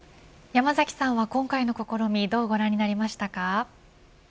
山崎さんは今回の試みどうご覧になりましたか。